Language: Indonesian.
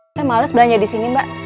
saya males belanja disini mbak